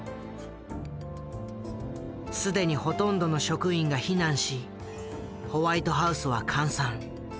既にほとんどの職員が避難しホワイトハウスは閑散。